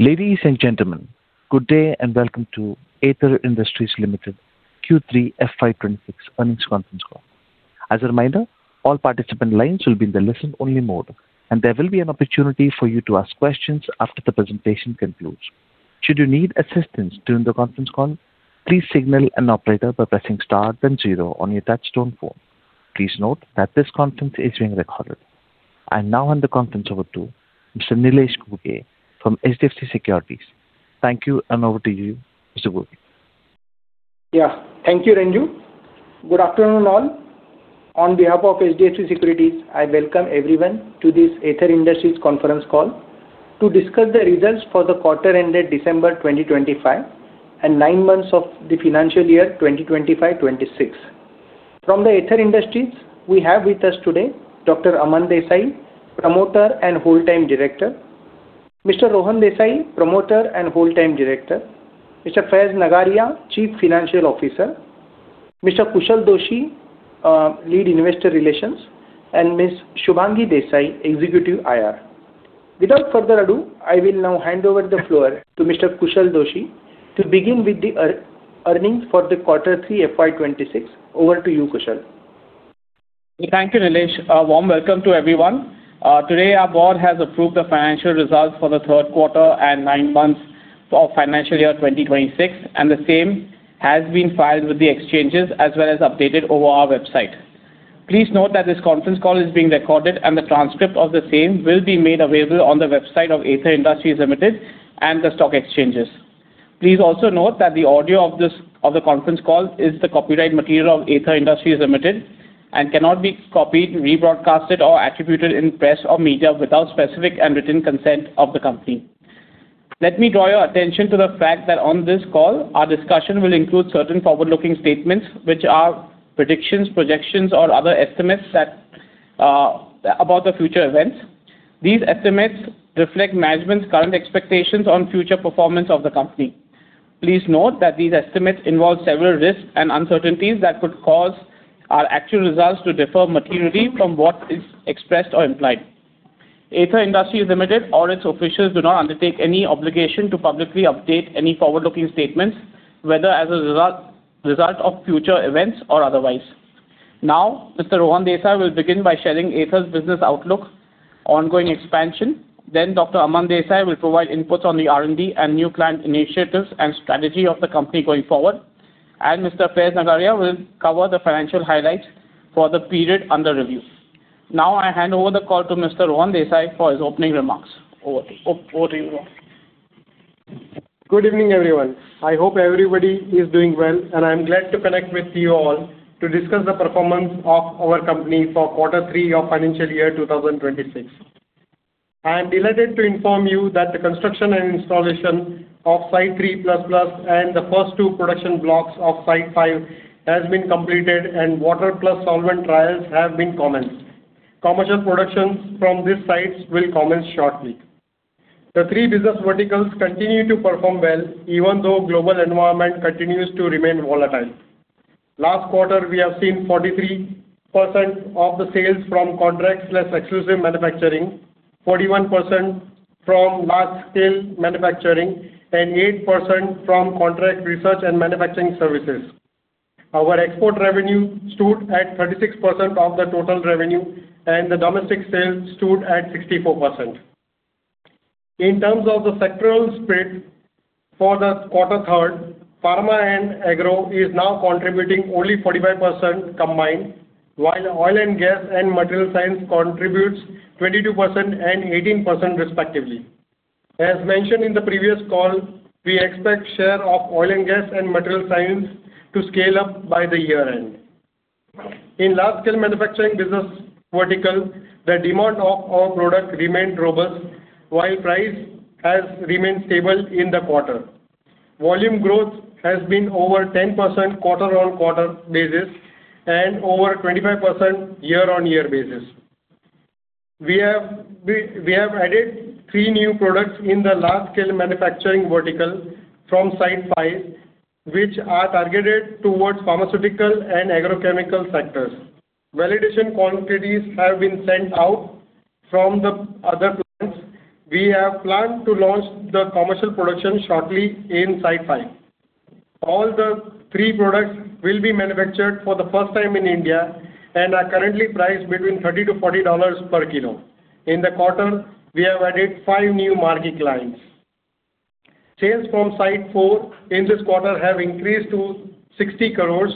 Ladies and gentlemen, good day, and welcome to Aether Industries Limited Q3 FY 2026 earnings conference call. As a reminder, all participant lines will be in the listen-only mode, and there will be an opportunity for you to ask questions after the presentation concludes. Should you need assistance during the conference call, please signal an operator by pressing star then zero on your touchtone phone. Please note that this conference is being recorded. I now hand the conference over to Mr. Nilesh Ghuge from HDFC Securities. Thank you, and over to you, Mr. Ghuge. Yeah. Thank you, Renju. Good afternoon, all. On behalf of HDFC Securities, I welcome everyone to this Aether Industries conference call to discuss the results for the quarter ended December 2025, and nine months of the financial year 2025, 2026. From the Aether Industries, we have with us today Dr. Aman Desai, promoter and full-time director; Mr. Rohan Desai, promoter and full-time director; Mr. Faiz Nagaria, Chief Financial Officer; Mr. Chushal Doshi, lead investor relations; and Ms. Shubhangi Desai, executive IR. Without further ado, I will now hand over the floor to Mr. Chushal Doshi to begin with the earnings for the quarter three, FY 2026. Over to you, Chushal. Thank you, Nilesh. A warm welcome to everyone. Today, our board has approved the financial results for the third quarter and nine months of financial year 2026, and the same has been filed with the exchanges as well as updated over our website. Please note that this conference call is being recorded, and the transcript of the same will be made available on the website of Aether Industries Limited and the stock exchanges. Please also note that the audio of this, of the conference call is the copyright material of Aether Industries Limited and cannot be copied, rebroadcasted, or attributed in press or media without specific and written consent of the company. Let me draw your attention to the fact that on this call, our discussion will include certain forward-looking statements, which are predictions, projections, or other estimates that about the future events. These estimates reflect management's current expectations on future performance of the company. Please note that these estimates involve several risks and uncertainties that could cause our actual results to differ materially from what is expressed or implied. Aether Industries Limited or its officials do not undertake any obligation to publicly update any forward-looking statements, whether as a result, result of future events or otherwise. Now, Mr. Rohan Desai will begin by sharing Aether's business outlook, ongoing expansion, then Dr. Aman Desai will provide inputs on the R&D and new client initiatives and strategy of the company going forward. And Mr. Faiz Nagariya will cover the financial highlights for the period under review. Now, I hand over the call to Mr. Rohan Desai for his opening remarks. Over to you, Rohan. Good evening, everyone. I hope everybody is doing well, and I'm glad to connect with you all to discuss the performance of our company for quarter three of financial year 2026. I am delighted to inform you that the construction and installation of Site 3++, and the first two production blocks of Site 5 has been completed, and water plus solvent trials have been commenced. Commercial productions from these sites will commence shortly. The three business verticals continue to perform well, even though global environment continues to remain volatile. Last quarter, we have seen 43% of the sales from contracts plus exclusive manufacturing, 41% from large-scale manufacturing, and 8% from contract research and manufacturing services. Our export revenue stood at 36% of the total revenue, and the domestic sales stood at 64%. In terms of the sectoral split for the third quarter, pharma and agro is now contributing only 45% combined, while oil and gas and material science contributes 22% and 18% respectively. As mentioned in the previous call, we expect share of oil and gas and material science to scale up by the year-end. In large-scale manufacturing business vertical, the demand of our product remained robust, while price has remained stable in the quarter. Volume growth has been over 10% quarter-on-quarter basis and over 25% year-on-year basis. We have added 3 new products in the large-scale manufacturing vertical from Site 5, which are targeted towards pharmaceutical and agrochemical sectors. Validation quantities have been sent out from the other plants. We have planned to launch the commercial production shortly in Site 5. All 3 products will be manufactured for the first time in India and are currently priced between $30-$40 per kilo. In the quarter, we have added 5 new marquee clients. Sales from Site 4 in this quarter have increased to 60 crores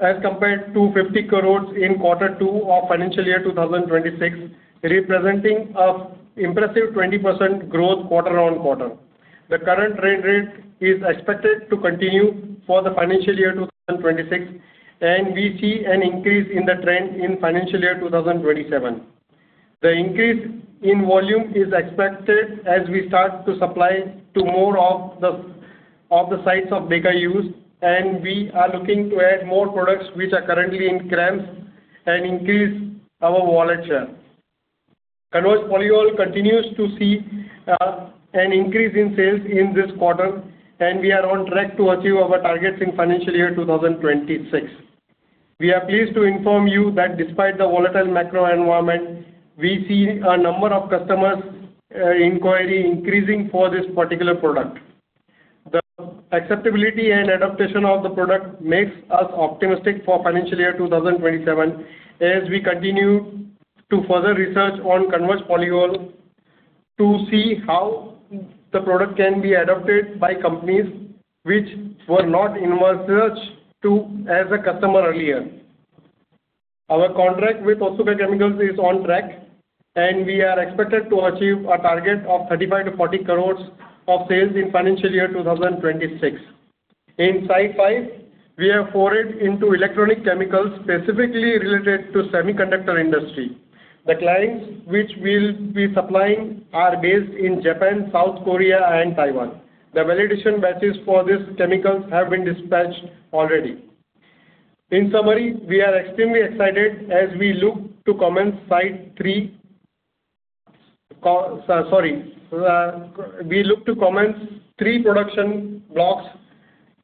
as compared to 50 crores in quarter 2 of financial year 2026, representing an impressive 20% growth quarter-on-quarter. The current trend rate is expected to continue for the financial year 2026, and we see an increase in the trend in financial year 2027. The increase in volume is expected as we start to supply to more of the sites of bigger use, and we are looking to add more products which are currently in CRAMS and increase our wallet share. Converge polyol continues to see an increase in sales in this quarter, and we are on track to achieve our targets in financial year 2026. We are pleased to inform you that despite the volatile macro environment, we see a number of customers inquiry increasing for this particular product. The acceptability and adaptation of the product makes us optimistic for financial year 2027, as we continue to further research on Converge polyol, to see how the product can be adopted by companies which were not in our search to as a customer earlier. Our contract with Otsuka Chemical is on track, and we are expected to achieve a target of 35-40 crores of sales in financial year 2026. In Site 5, we have forayed into electronic chemicals, specifically related to semiconductor industry. The clients which we'll be supplying are based in Japan, South Korea, and Taiwan. The validation batches for these chemicals have been dispatched already. In summary, we are extremely excited as we look to commence Site 3, so sorry, we look to commence three production blocks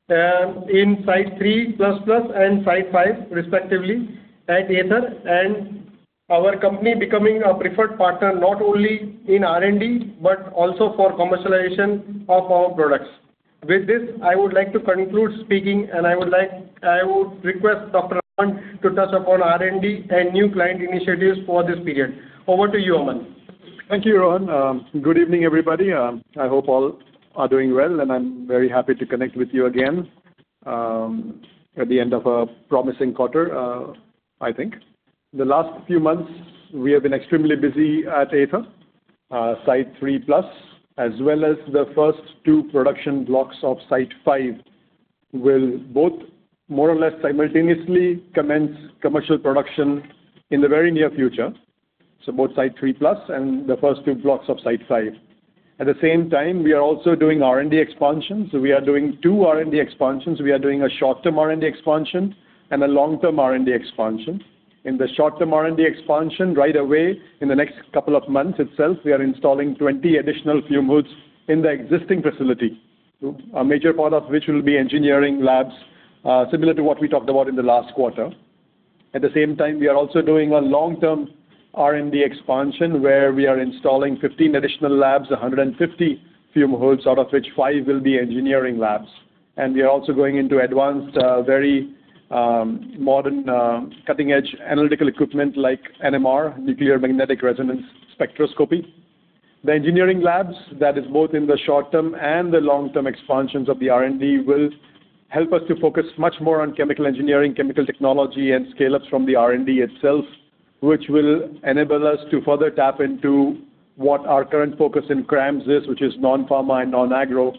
in Site 3++ and Site 5, respectively, at Aether, and our company becoming a preferred partner, not only in R&D, but also for commercialization of our products. With this, I would like to conclude speaking, and I would request Dr. Aman to touch upon R&D and new client initiatives for this period. Over to you, Aman. Thank you, Rohan. Good evening, everybody. I hope all are doing well, and I'm very happy to connect with you again, at the end of a promising quarter, I think. The last few months, we have been extremely busy at Aether. Site 3++, as well as the first two production blocks of Site 5, will both more or less simultaneously commence commercial production in the very near future. So both Site 3++ and the first two blocks of Site 5. At the same time, we are also doing R&D expansion. So we are doing two R&D expansions. We are doing a short-term R&D expansion and a long-term R&D expansion. In the short-term R&D expansion, right away, in the next couple of months itself, we are installing 20 additional fume hoods in the existing facility, a major part of which will be engineering labs, similar to what we talked about in the last quarter. At the same time, we are also doing a long-term R&D expansion, where we are installing 15 additional labs, 150 fume hoods, out of which five will be engineering labs. We are also going into advanced, very, modern, cutting-edge analytical equipment like NMR, nuclear magnetic resonance spectroscopy. The engineering labs, that is both in the short-term and the long-term expansions of the R&D, will help us to focus much more on chemical engineering, chemical technology, and scale-ups from the R&D itself, which will enable us to further tap into what our current focus in CRAMS is, which is non-pharma and non-agro,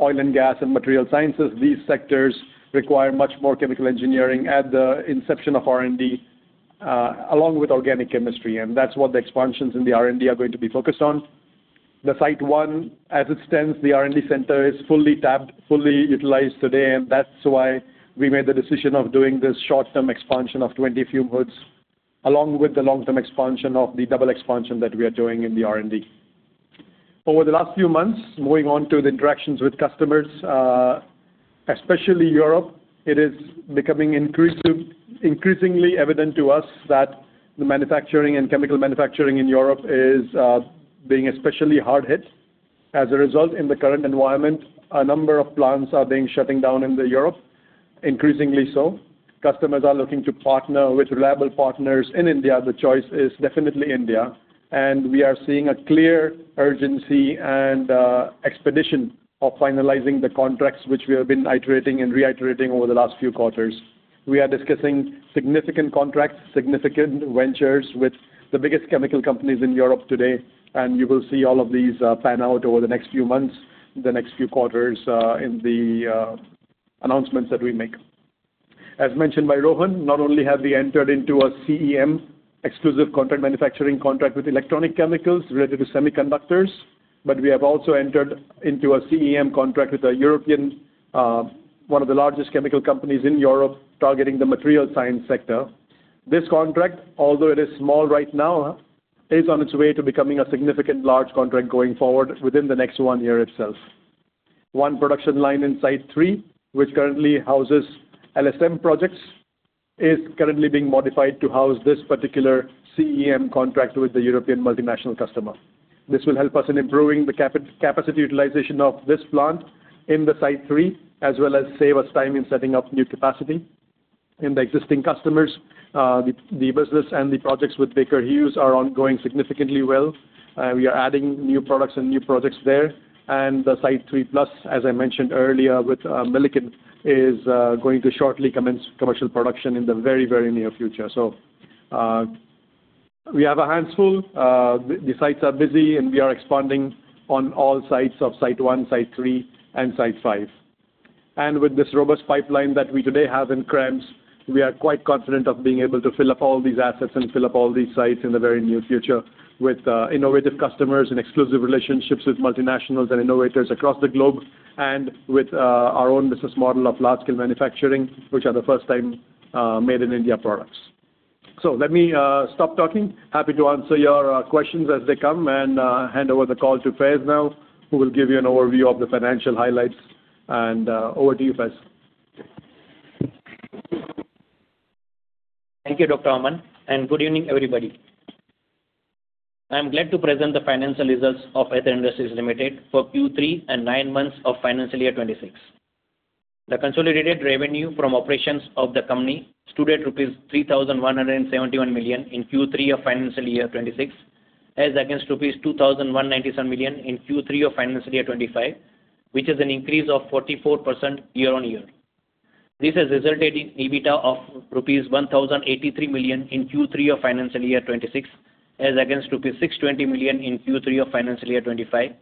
oil and gas, and material sciences. These sectors require much more chemical engineering at the inception of R&D, along with organic chemistry, and that's what the expansions in the R&D are going to be focused on. The Site 1, as it stands, the R&D center is fully tapped, fully utilized today, and that's why we made the decision of doing this short-term expansion of 20 fume hoods, along with the long-term expansion of the double expansion that we are doing in the R&D. Over the last few months, moving on to the interactions with customers, especially Europe, it is becoming increasingly evident to us that the manufacturing and chemical manufacturing in Europe is being especially hard hit. As a result, in the current environment, a number of plants are being shutting down in Europe, increasingly so. Customers are looking to partner with reliable partners in India. The choice is definitely India, and we are seeing a clear urgency and expedition of finalizing the contracts, which we have been iterating and reiterating over the last few quarters. We are discussing significant contracts, significant ventures with the biggest chemical companies in Europe today, and you will see all of these pan out over the next few months, the next few quarters, in the announcements that we make. As mentioned by Rohan, not only have we entered into a CEM, exclusive contract manufacturing contract with electronic chemicals related to semiconductors, but we have also entered into a CEM contract with a European, one of the largest chemical companies in Europe, targeting the material science sector. This contract, although it is small right now, is on its way to becoming a significant large contract going forward within the next one year itself. One production line in Site 3, which currently houses LSM projects, is currently being modified to house this particular CEM contract with the European multinational customer. This will help us in improving the capacity utilization of this plant in the Site 3, as well as save us time in setting up new capacity. In the existing customers, the business and the projects with Baker Hughes are ongoing significantly well. We are adding new products and new projects there. And the Site 3++, as I mentioned earlier, with Milliken, is going to shortly commence commercial production in the very, very near future. So, we have our hands full. The sites are busy, and we are expanding on all sites of Site 1, Site 3, and Site 5. And with this robust pipeline that we today have in CRAMS, we are quite confident of being able to fill up all these assets and fill up all these sites in the very near future with innovative customers and exclusive relationships with multinationals and innovators across the globe, and with our own business model of large-scale manufacturing, which are the first time made in India products.... So let me stop talking. Happy to answer your questions as they come, and hand over the call to Faiz now, who will give you an overview of the financial highlights. Over to you, Faiz. Thank you, Dr. Aman, and good evening, everybody. I'm glad to present the financial results of Aether Industries Limited for Q3 and nine months of financial year 2026. The consolidated revenue from operations of the company stood at rupees 3,171 million in Q3 of financial year 2026, as against rupees 2,197 million in Q3 of financial year 2025, which is an increase of 44% year-on-year. This has resulted in EBITDA of rupees 1,083 million in Q3 of financial year 2026, as against rupees 620 million in Q3 of financial year 2025,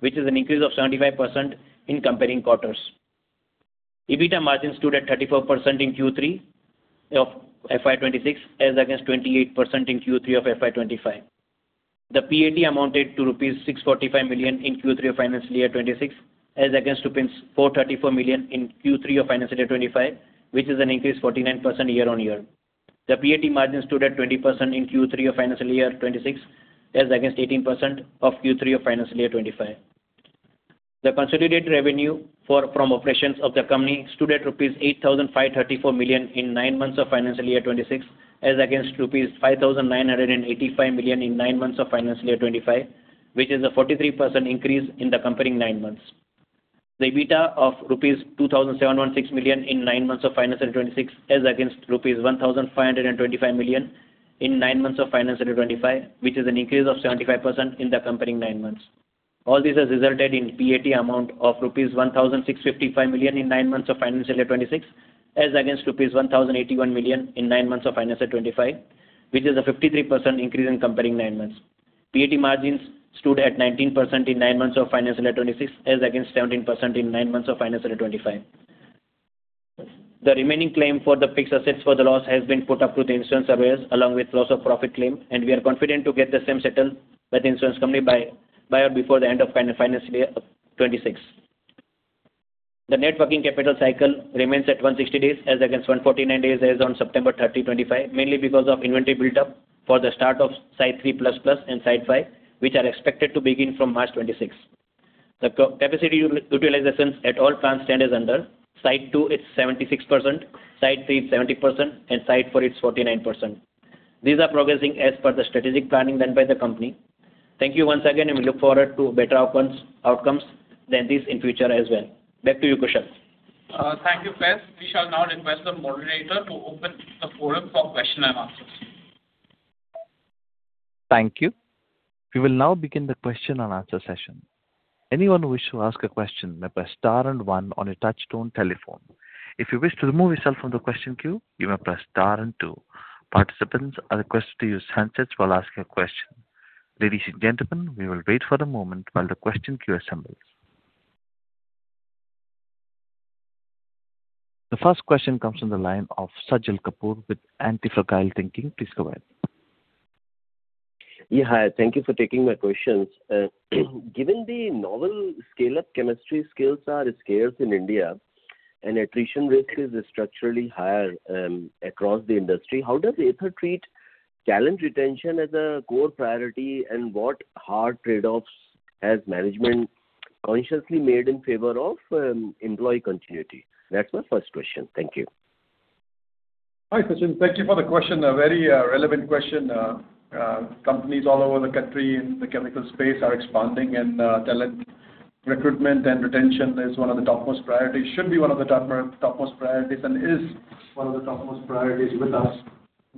which is an increase of 75% in comparing quarters. EBITDA margin stood at 34% in Q3 of FY 2026, as against 28% in Q3 of FY 2025. The PAT amounted to rupees 645 million in Q3 of financial year 26, as against rupees 434 million in Q3 of financial year 25, which is an increase 49% year-on-year. The PAT margin stood at 20% in Q3 of financial year 26, as against 18% of Q3 of financial year 25. The consolidated revenue from operations of the company stood at rupees 8,534 million in nine months of financial year 26, as against rupees 5,985 million in nine months of financial year 25, which is a 43% increase in the comparable nine months. The EBITDA of rupees 2,716 million in nine months of financial year 2026, as against rupees 1,525 million in nine months of financial year 2025, which is an increase of 75% in the comparable nine months. All this has resulted in PAT amount of rupees 1,655 million in nine months of financial year 2026, as against rupees 1,081 million in nine months of financial year 2025, which is a 53% increase in comparable nine months. PAT margins stood at 19% in nine months of financial year 2026, as against 17% in nine months of financial year 2025. The remaining claim for the fixed assets for the loss has been put up to the insurance surveyors, along with loss of profit claim, and we are confident to get the same settled by the insurance company by or before the end of financial year 2026. The net working capital cycle remains at 160 days, as against 149 days as on September 30, 2025, mainly because of inventory buildup for the start of Site 3++ and Site 5, which are expected to begin from March 2026. The capacity utilizations at all plants stand as under: Site 2 is 76%, Site 3, 70%, and Site 4 is 49%. These are progressing as per the strategic planning done by the company. Thank you once again, and we look forward to better outcomes than this in future as well. Back to you, Chushal. Thank you, Faiz. We shall now request the moderator to open the forum for question and answers. Thank you. We will now begin the question and answer session. Anyone who wish to ask a question may press star and one on your touchtone telephone. If you wish to remove yourself from the question queue, you may press star and two. Participants are requested to use handsets while asking a question. Ladies and gentlemen, we will wait for a moment while the question queue assembles. The first question comes from the line of Sajal Kapoor with Antifragile Thinking. Please go ahead. Yeah, hi. Thank you for taking my questions. Given the novel scale-up chemistry skills are scarce in India and attrition rates is structurally higher across the industry, how does Aether treat talent retention as a core priority? And what hard trade-offs has management consciously made in favor of employee continuity? That's my first question. Thank you. Hi, Sajal. Thank you for the question. A very relevant question. Companies all over the country in the chemical space are expanding, and talent recruitment and retention is one of the topmost priorities, should be one of the topmost priorities, and is one of the topmost priorities with us.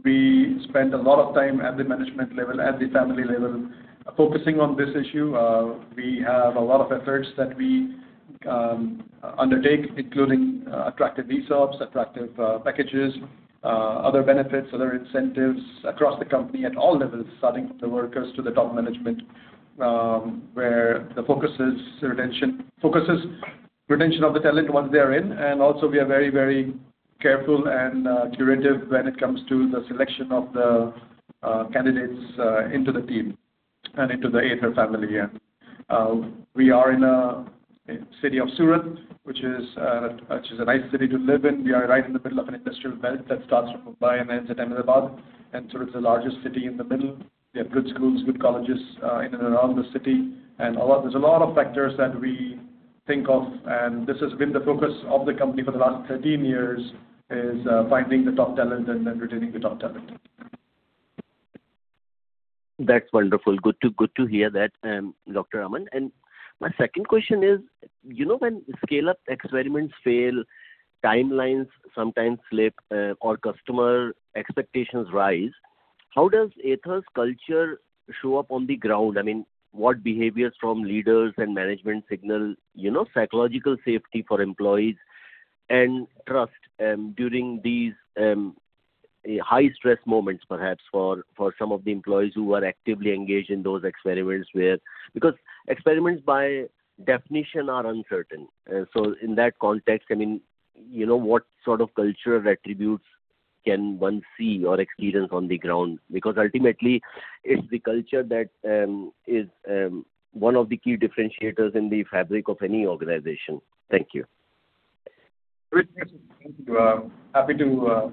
We spend a lot of time at the management level, at the family level, focusing on this issue. We have a lot of efforts that we undertake, including attractive ESOPs, attractive packages, other benefits, other incentives across the company at all levels, starting from the workers to the top management, where the focus is retention, focus is retention of the talent once they are in. And also we are very, very careful and curative when it comes to the selection of the candidates into the team and into the Aether family, yeah. We are in a city of Surat, which is a nice city to live in. We are right in the middle of an industrial belt that starts from Mumbai and ends at Ahmedabad, and Surat is the largest city in the middle. We have good schools, good colleges in and around the city. And a lot—there's a lot of factors that we think of, and this has been the focus of the company for the last 13 years, is finding the top talent and retaining the top talent. That's wonderful. Good to, good to hear that, Dr. Aman. And my second question is: you know, when scale-up experiments fail, timelines sometimes slip, or customer expectations rise, how does Aether's culture show up on the ground? I mean, what behaviors from leaders and management signal, you know, psychological safety for employees and trust, during these, high-stress moments, perhaps for, for some of the employees who are actively engaged in those experiments where... Because experiments by definition are uncertain. So in that context, I mean, you know, what sort of cultural attributes can one see or experience on the ground? Because ultimately, it's the culture that, is, one of the key differentiators in the fabric of any organization. Thank you. Happy to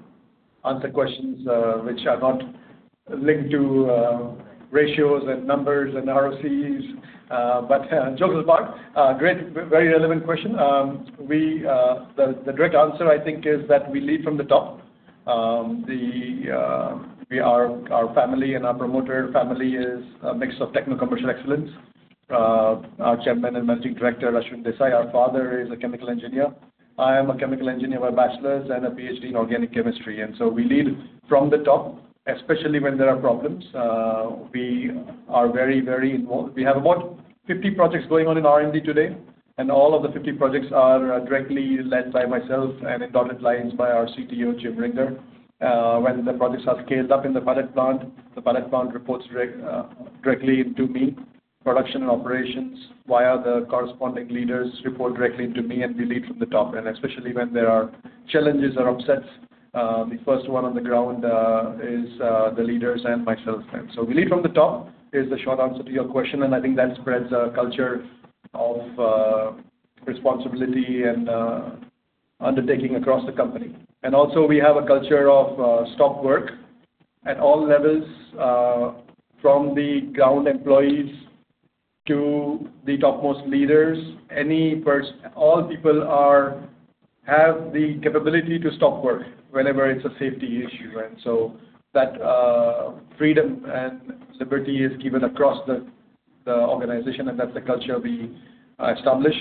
answer questions, which are not linked to ratios and numbers and ROCEs. But jokes apart, great, very relevant question. The direct answer, I think, is that we lead from the top. We are our family and our promoter family is a mix of techno-commercial excellence. Our Chairman and Managing Director, Ashwin Desai, our father, is a chemical engineer. I am a chemical engineer by bachelor's, and a PhD in organic chemistry, and so we lead from the top, especially when there are problems. We are very, very involved. We have about 50 projects going on in R&D today, and all of the 50 projects are directly led by myself and in dotted lines by our CTO, Jim Ringer. When the projects are scaled up in the pilot plant, the pilot plant reports directly to me. Production and operations, via the corresponding leaders, report directly to me, and we lead from the top. Especially when there are challenges or upsets, the first one on the ground is the leaders and myself. So we lead from the top is the short answer to your question, and I think that spreads a culture of responsibility and undertaking across the company. Also we have a culture of stop work at all levels, from the ground employees to the topmost leaders. All people have the capability to stop work whenever it's a safety issue. So that freedom and liberty is given across the organization, and that's the culture we establish.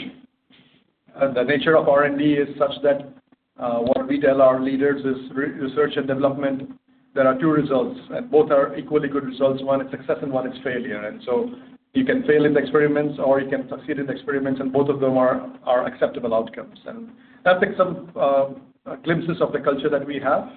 And the nature of R&D is such that, what we tell our leaders is research and development, there are two results, and both are equally good results. One is success and one is failure. And so you can fail in experiments or you can succeed in experiments, and both of them are acceptable outcomes. And that's some glimpses of the culture that we have.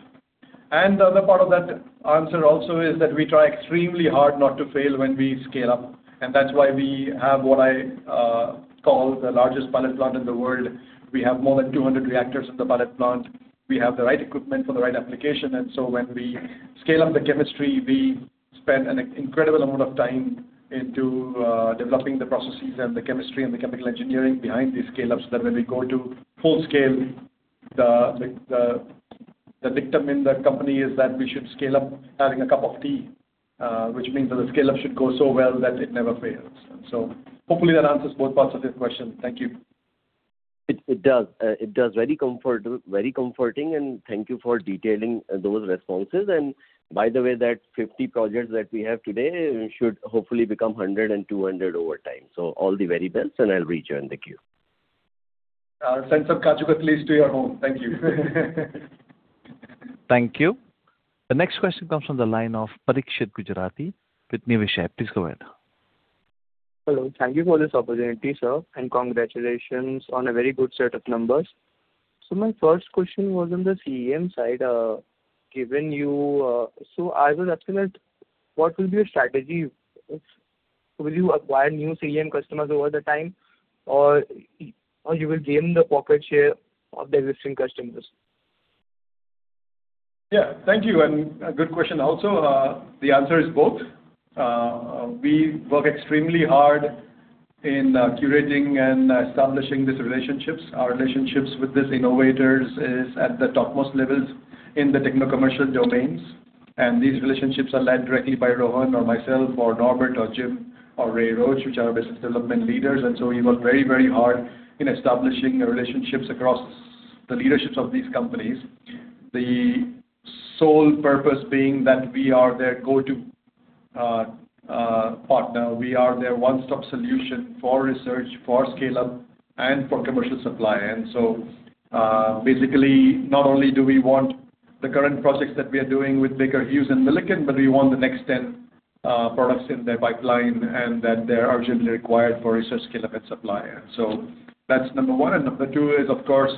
And the other part of that answer also is that we try extremely hard not to fail when we scale up, and that's why we have what I call the largest pilot plant in the world. We have more than 200 reactors in the pilot plant. We have the right equipment for the right application, and so when we scale up the chemistry, we spend an incredible amount of time into developing the processes and the chemistry and the chemical engineering behind these scale-ups, that when we go to full scale, the dictum in the company is that we should scale up having a cup of tea, which means that the scale-up should go so well that it never fails. And so hopefully that answers both parts of your question. Thank you. It does. It does. Very comforting, and thank you for detailing those responses. By the way, that 50 projects that we have today should hopefully become 100 and 200 over time. So all the very best, and I'll rejoin the queue. I'll send some kaju katli to your home. Thank you. Thank you. The next question comes from the line of Parikshit Gujarati with Niveshaay. Please go ahead. Hello. Thank you for this opportunity, sir, and congratulations on a very good set of numbers. So my first question was on the CEM side. Given you. So I was asking that, what will be your strategy? Will you acquire new CEM customers over the time, or, or you will gain the market share of the existing customers? Yeah. Thank you, and a good question also. The answer is both. We work extremely hard in curating and establishing these relationships. Our relationships with these innovators is at the topmost levels in the techno-commercial domains, and these relationships are led directly by Rohan or myself, or Norbert or Jim or Ray Roach, which are our business development leaders. And so we work very, very hard in establishing the relationships across the leaderships of these companies. The sole purpose being that we are their go-to partner. We are their one-stop solution for research, for scale-up, and for commercial supply. And so, basically, not only do we want the current projects that we are doing with Baker Hughes and Milliken, but we want the next 10 products in their pipeline, and that they are generally required for research, scale-up, and supply. So that's number one, and number two is, of course,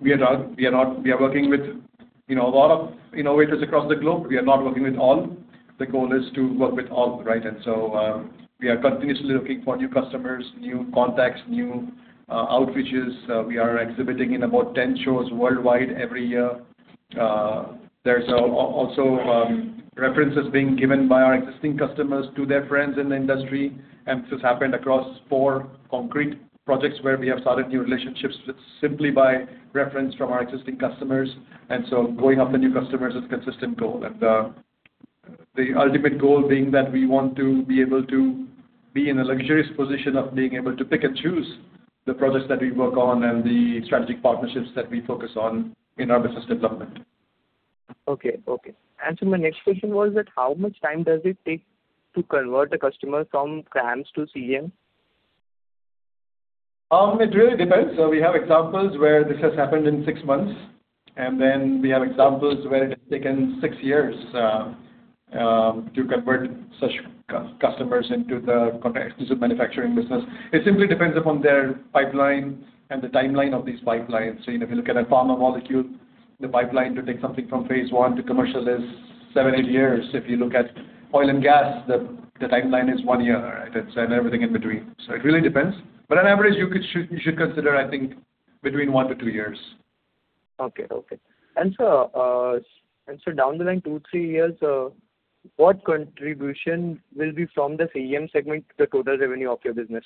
we are working with, you know, a lot of innovators across the globe. We are not working with all. The goal is to work with all, right? And so, we are continuously looking for new customers, new contacts, new outreaches. We are exhibiting in about 10 shows worldwide every year. There's also references being given by our existing customers to their friends in the industry, and this has happened across four concrete projects, where we have started new relationships with simply by reference from our existing customers. And so going after new customers is a consistent goal. The ultimate goal being that we want to be able to be in a luxurious position of being able to pick and choose the projects that we work on and the strategic partnerships that we focus on in our business development. My next question was that how much time does it take to convert a customer from CRAMS to CEM? It really depends. So we have examples where this has happened in 6 months, and then we have examples where it has taken 6 years to convert such customers into the context of manufacturing business. It simply depends upon their pipeline and the timeline of these pipelines. So, you know, if you look at a pharma molecule, the pipeline to take something from phase 1 to commercial is 7-8 years. If you look at oil and gas, the timeline is 1 year, all right? And so everything in between. So it really depends, but on average, you should consider, I think, between 1-2 years. Okay, okay. And so down the line 2-3 years, what contribution will be from the CEM segment to the total revenue of your business?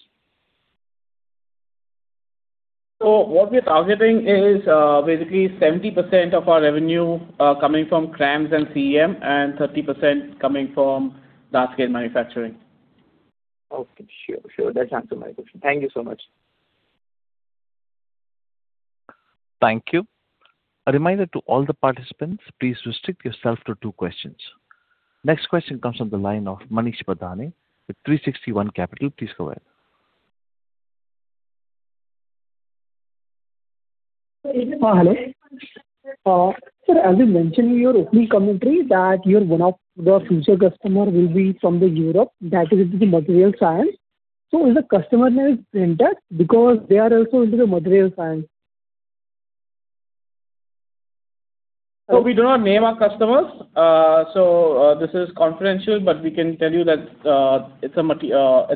What we're targeting is basically 70% of our revenue coming from CRAMS and CEM, and 30% coming from large scale manufacturing. Okay. Sure, sure. That's answered my question. Thank you so much. Thank you. A reminder to all the participants, please restrict yourself to two questions. Next question comes from the line of Manish Padhye with 360 ONE Asset. Please go ahead. Hello. Sir, as you mentioned in your opening commentary that your one of the future customer will be from the Europe, that is into the material science. So is the customer name Brenntag? Because they are also into the material science. We do not name our customers, so this is confidential, but we can tell you that it's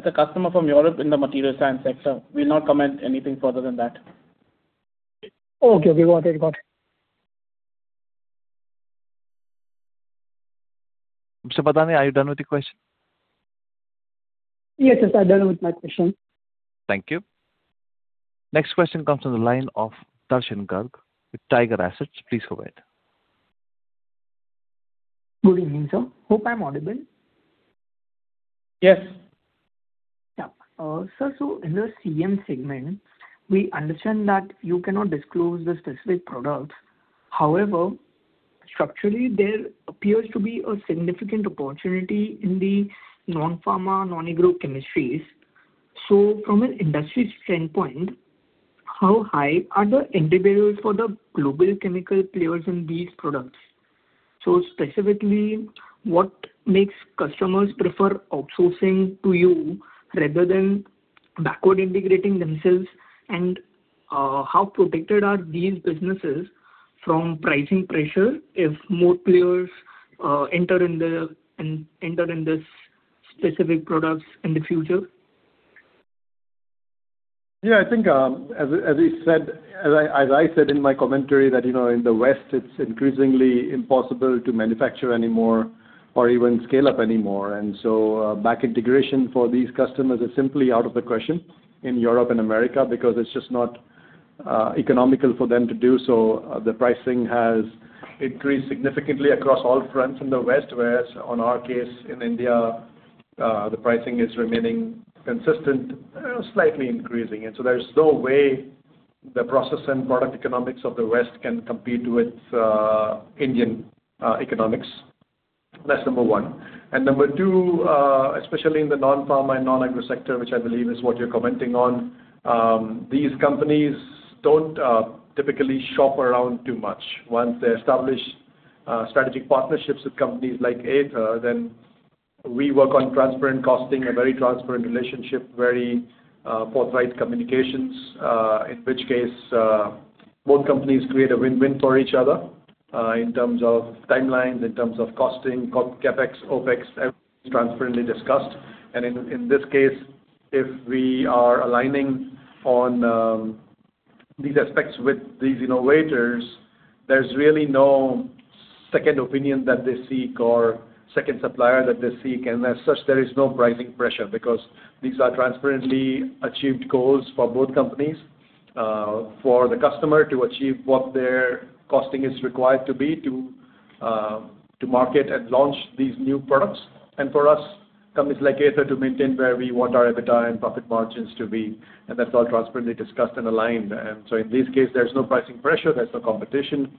a customer from Europe in the material science sector. We'll not comment anything further than that. Okay. Okay, got it, got it. Manish Padhye, are you done with your question? Yes, yes, I'm done with my question. Thank you. Next question comes from the line of Darshan Garg, with Tiger Assets. Please go ahead. Good evening, sir. Hope I'm audible? Yes. Yeah. Sir, so in the CEM segment, we understand that you cannot disclose the specific products. However, structurally, there appears to be a significant opportunity in the non-pharma, non-agro chemistries. So from an industry standpoint, how high are the entry barriers for the global chemical players in these products? So specifically, what makes customers prefer outsourcing to you rather than backward integrating themselves? And, how protected are these businesses from pricing pressure if more players enter in this specific products in the future? Yeah, I think, as you said, as I said in my commentary, that, you know, in the West, it's increasingly impossible to manufacture anymore or even scale up anymore. And so, back integration for these customers is simply out of the question in Europe and America, because it's just not economical for them to do so. The pricing has increased significantly across all fronts in the West, whereas on our case, in India, the pricing is remaining consistent, slightly increasing. And so there's no way the process and product economics of the West can compete with Indian economics. That's number one. And number two, especially in the non-pharma and non-agro sector, which I believe is what you're commenting on, these companies don't typically shop around too much. Once they establish strategic partnerships with companies like Aether, then we work on transparent costing, a very transparent relationship, very forthright communications, in which case both companies create a win-win for each other, in terms of timelines, in terms of costing, CapEx, OpEx, everything is transparently discussed. And in this case, if we are aligning on these aspects with these innovators, there's really no second opinion that they seek or second supplier that they seek. And as such, there is no pricing pressure because these are transparently achieved goals for both companies. For the customer to achieve what their costing is required to be, to market and launch these new products, and for us, companies like Aether, to maintain where we want our EBITDA and profit margins to be, and that's all transparently discussed and aligned. So in this case, there's no pricing pressure, there's no competition,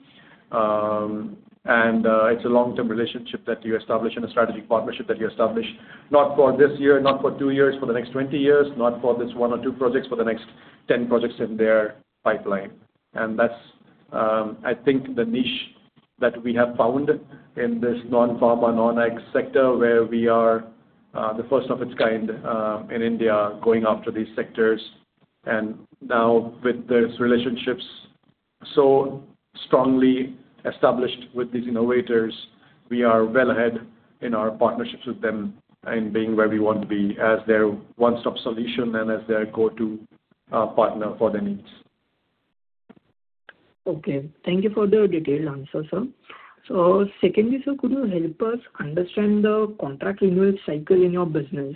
and it's a long-term relationship that you establish and a strategic partnership that you establish, not for this year, not for two years, for the next 20 years, not for this one or two projects, for the next 10 projects in their pipeline. And that's, I think the niche that we have found in this non-pharma, non-ag sector, where we are the first of its kind in India, going after these sectors. And now with these relationships so strongly established with these innovators, we are well ahead in our partnerships with them and being where we want to be as their one-stop solution and as their go-to partner for their needs. Okay. Thank you for the detailed answer, sir. So secondly, sir, could you help us understand the contract renewal cycle in your business?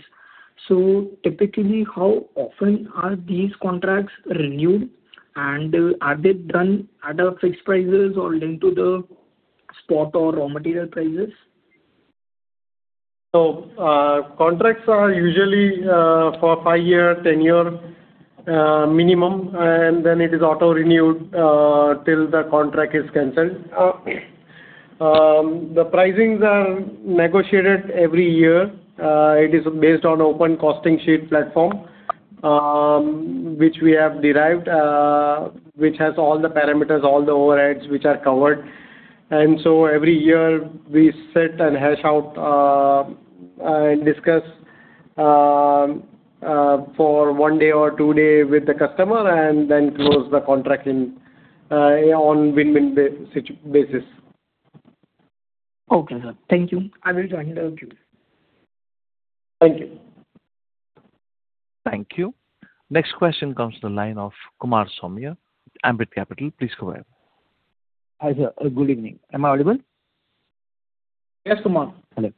So typically, how often are these contracts renewed, and are they done at a fixed prices or linked to the spot or raw material prices? So, contracts are usually for 5-year, 10-year minimum, and then it is auto-renewed till the contract is canceled. The pricings are negotiated every year. It is based on open costing sheet platform, which we have derived, which has all the parameters, all the overheads, which are covered. And so every year, we sit and hash out and discuss for one day or two day with the customer and then close the contract in on win-win basis. Okay, sir. Thank you. I will join. Thank you. Thank you. Thank you. Next question comes to the line of Kumar Saumya, Ambit Capital. Please go ahead. Hi, sir. Good evening. Am I audible? Yes, Kumar. Hello.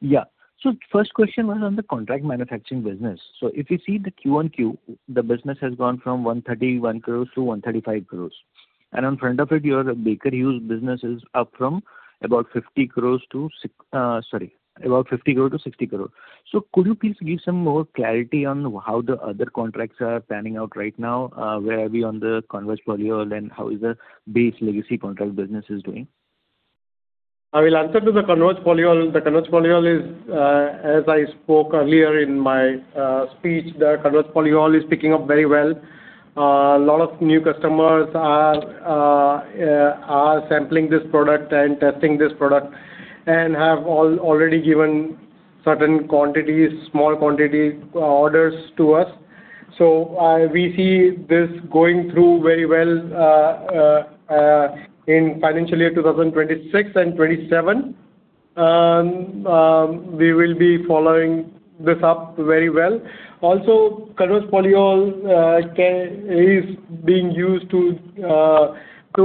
Yeah. So first question was on the contract manufacturing business. So if you see the Q1 QoQ, the business has gone from 131 crore to 135 crore. And in front of it, your API business is up from about 50 crore to 60 crore. So could you please give some more clarity on how the other contracts are panning out right now? Where are we on the Converge polyol, and how is the base legacy contract business doing? I will answer to the Converge polyol. The Converge polyol is, as I spoke earlier in my speech, the Converge polyol is picking up very well. A lot of new customers are sampling this product and testing this product, and have already given certain quantities, small quantity orders to us. So, we see this going through very well, in financial year 2026 and 2027. We will be following this up very well. Also, Converge polyol is being used to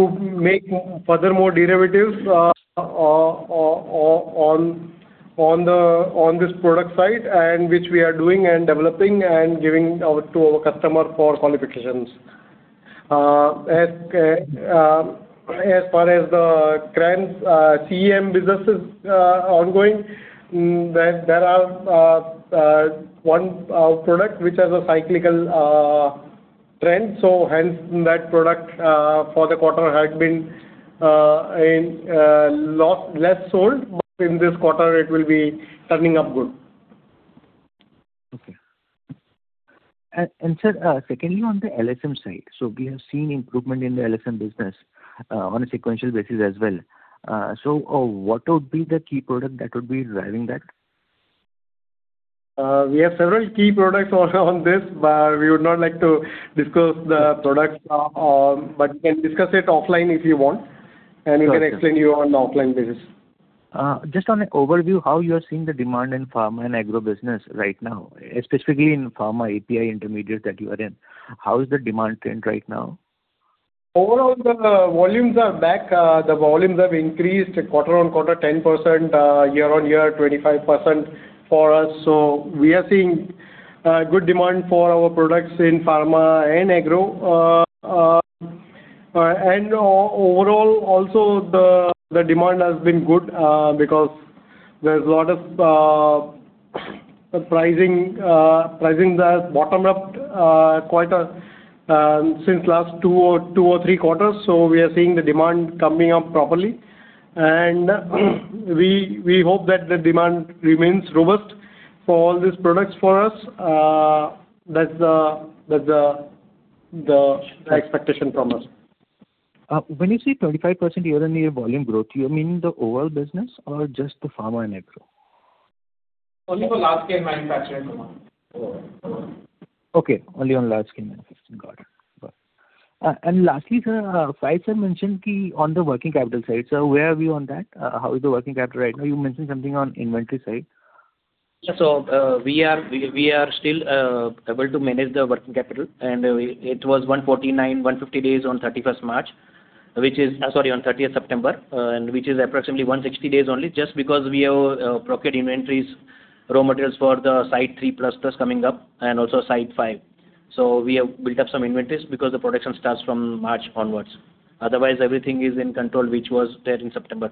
make further more derivatives, on the, on this product side, and which we are doing and developing and giving our, to our customer for qualifications. As far as the current CEM business is ongoing, there are one product which has a cyclical trend, so hence, that product for the quarter had been in less sold, but in this quarter, it will be turning up good. Okay. And sir, secondly, on the LSM side, so we have seen improvement in the LSM business, on a sequential basis as well. So, what would be the key product that would be driving that? We have several key products also on this, but we would not like to discuss the products, but we can discuss it offline if you want, and we can explain you on the offline basis. Just on an overview, how you are seeing the demand in pharma and agro business right now, specifically in pharma API intermediate that you are in? How is the demand trend right now? Overall, the volumes are back. The volumes have increased quarter-on-quarter, 10%, year-on-year, 25% for us. So we are seeing good demand for our products in pharma and agro. And overall, also, the demand has been good, because there's a lot of pricing that bottomed out quite a bit since last two or three quarters. So we are seeing the demand coming up properly, and we hope that the demand remains robust for all these products for us. That's the expectation from us. When you say 25% year-on-year volume growth, you mean the overall business or just the pharma and agro? Only for large-scale manufacturing, Kumar. Overall. Okay, only on large-scale manufacturing. Got it. Got it. And lastly, sir, Faisal mentioned on the working capital side, so where are we on that? How is the working capital right now? You mentioned something on inventory side. Yeah, so, we are still able to manage the working capital, and it was 149, 150 days on 31st March, which is... Sorry, on 30th September, and which is approximately 160 days only, just because we have procurement inventories, raw materials for the Site 3++ coming up, and also Site 5. So we have built up some inventories because the production starts from March onwards. Otherwise, everything is in control, which was there in 30th September.